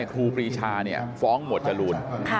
ครูปรีชาฟ้องหมวดจรูน